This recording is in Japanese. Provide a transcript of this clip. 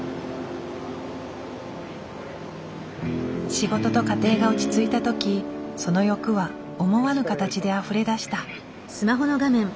仕事と家庭が落ち着いた時その欲は思わぬ形であふれ出した。